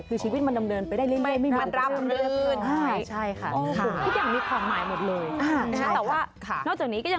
คือชีวิตมันดำเนินไปได้เรื่อย